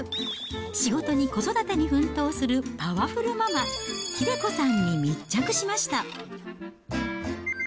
仕事に、子育てに奮闘するパワフルママ、英子さんに密着しました。